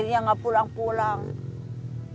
dia juga tidak berhubung dengan suami